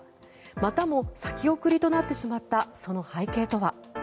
またも先送りとなってしまったその背景とは。